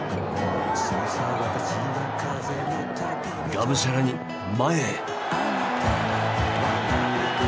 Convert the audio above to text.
がむしゃらに前へ！